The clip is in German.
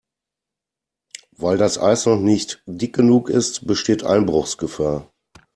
Weil das Eis noch nicht dick genug ist, besteht Einbruchsgefahr.